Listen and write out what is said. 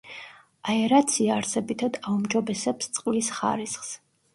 აერაცია არსებითად აუმჯობესებს წყლის ხარისხს.